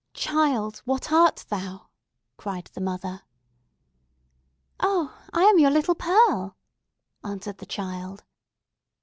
"Child, what art thou?" cried the mother. "Oh, I am your little Pearl!" answered the child.